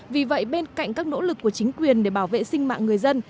vì vậy bên cạnh các nỗ lực của chính quyền để bảo vệ sinh mạng người dân